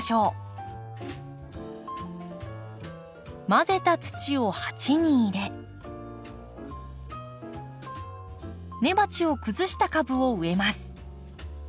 混ぜた土を鉢に入れ根鉢を崩した株を植えます。